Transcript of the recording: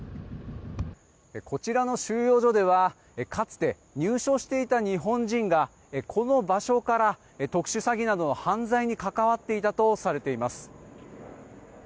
こちらの収容所ではかつて入所していた日本人がこの場所から特殊詐欺などの犯罪に関わっていたとされています。